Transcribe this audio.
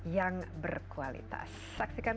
yang berkualitas saksikan